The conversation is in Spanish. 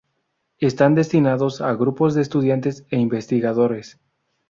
Están destinados a grupos de estudiantes e investigadores.